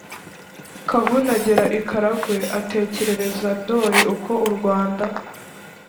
kavuna agera i karagwe, atekerereza ndori uko u rwanda